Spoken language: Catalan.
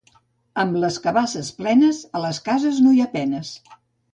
Amb les cabasses plenes, a les cases no hi ha penes.